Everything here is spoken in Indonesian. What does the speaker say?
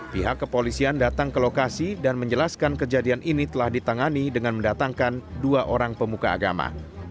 pihak kepolisian datang ke lokasi dan menjelaskan kejadian ini telah ditangani dengan mendatangkan dua orang pemuka agama